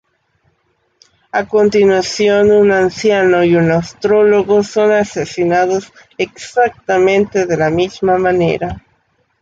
A continuación, un anciano y un astrólogo son asesinados exactamente de la misma manera.